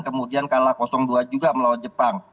kemudian kalah dua juga melawan jepang